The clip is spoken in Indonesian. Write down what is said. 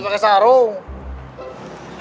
terus pakai sarung